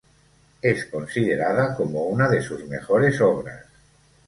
Es considerada como una de sus mejores obras.